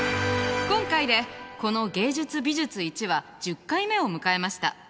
今回でこの「芸術美術Ⅰ」は１０回目を迎えました。